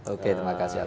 oke terima kasih